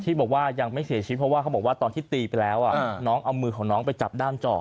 บอกว่ายังไม่เสียชีวิตเพราะว่าเขาบอกว่าตอนที่ตีไปแล้วน้องเอามือของน้องไปจับด้ามจ่อ